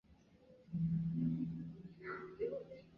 它与中阿尔卑斯山脉主要是地质成分的差异。